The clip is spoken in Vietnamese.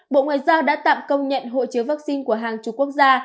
bộ ngoại giao đã tạm công nhận hộ chiếu vaccine của hàng chục quốc gia